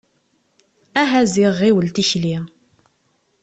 Aha ziɣ ɣiwel tikli.